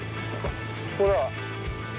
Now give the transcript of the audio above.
ほら。